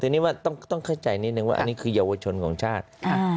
แต่ต้องเข้าใจนิดหนึ่งว่าอันนี้คือยาวชนของชาติ